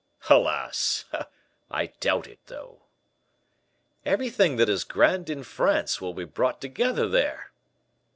"Alas! I doubt it, though." "Everything that is grand in France will be brought together there!"